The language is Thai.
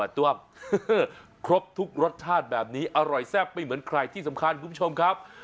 ตัวครบทุกรสชาติแบบนี้อร่อยแซ่บไม่เหมือนใครที่สำคัญคุณผู้ชมครับ